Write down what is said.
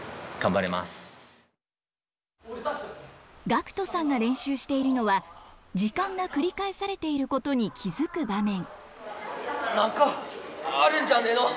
岳斗さんが練習しているのは時間が繰り返されていることに気付く場面。